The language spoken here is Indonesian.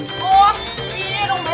oh gini dong be